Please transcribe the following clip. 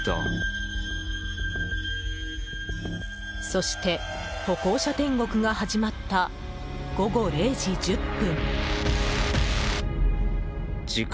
そして、歩行者天国が始まった午後０時１０分。